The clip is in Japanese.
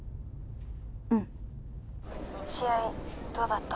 うん☎試合どうだった？